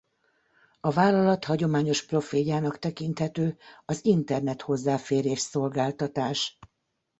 A vállalat hagyományos profiljának tekinthető az internet-hozzáférés szolgáltatás.